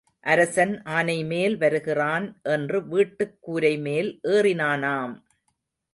அரசன் ஆனைமேல் வருகிறான் என்று வீட்டுக் கூரைமேல் ஏறினானாம்.